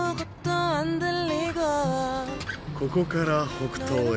ここから北東へ。